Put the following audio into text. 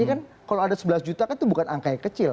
ini kan kalau ada sebelas juta kan itu bukan angka yang kecil